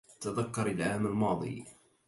تذكر العام الماضي.